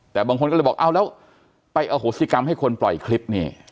แต่บางคนก็เลยบอกเอาแล้วไปอโหสิกรรมให้คนปล่อยคลิปนี่